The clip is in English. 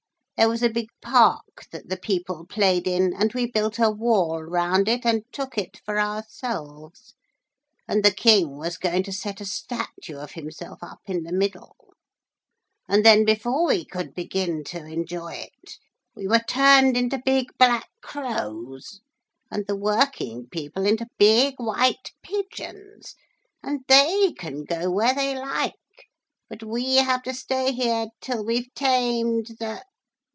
There was a big park that the people played in, and we built a wall round it and took it for ourselves, and the King was going to set a statue of himself up in the middle. And then before we could begin to enjoy it we were turned into big black crows; and the working people into big white pigeons and they can go where they like, but we have to stay here till we've tamed the....